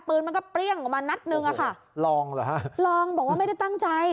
มันก็เปรี้ยงออกมานัดหนึ่งอะค่ะลองเหรอฮะลองบอกว่าไม่ได้ตั้งใจ